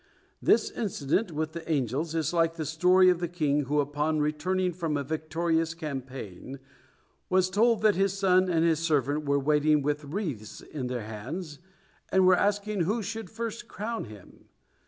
This incident with the angels is like the story of the king who, upon returning from a victorious campaign, was told that his son and his servant were waiting with wreaths in their hands, and were asking who should first crown him.